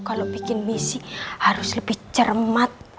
kalau bikin misi harus lebih cermat